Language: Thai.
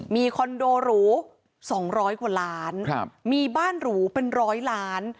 มีคอนโดหรู๒๐๐กว่าล้านมีบ้านหรูเป็นร้อยล้าน